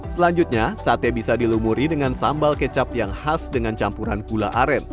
selanjutnya sate bisa dilumuri dengan sambal kecap yang khas dengan campuran gula aren